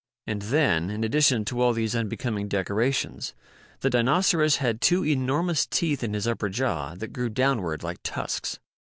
And then, in addition to all these unbecoming decorations, the Dinoceras had two enormous teeth in his upper jaw that grew downward like tusks.